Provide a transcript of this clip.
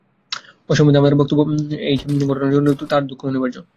ও সম্বন্ধে আমার বক্তব্য এই যে, ঘটনা যদি অনিবার্য হয় তার দুঃখও অনিবার্য।